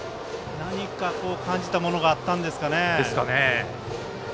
何か感じたものがあったんですかね。